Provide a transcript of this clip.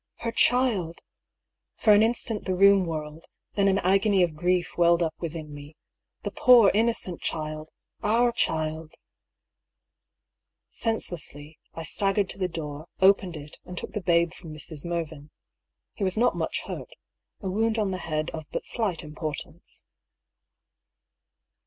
Her child I For an instant the room whirled ; then an agony of grief welled up within me. The poor, inno cent child !— our child ! Senselessly, I staggered to the door, opened it, and took the babe from Mrs. Mervyn. He was not much hurt — a wound on the head of but slight importance.